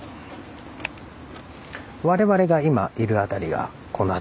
我々が今いる辺りがこの辺りになります。